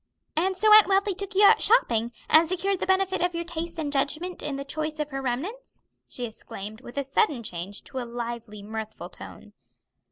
"And so Aunt Wealthy took you out shopping, and secured the benefit of your taste and judgment in the choice of her remnants?" she exclaimed, with a sudden change to a lively, mirthful tone.